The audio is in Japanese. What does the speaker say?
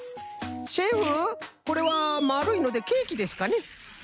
シェフこれはまるいのでケーキですかね？